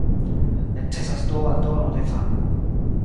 Necesas do aldono de varmo.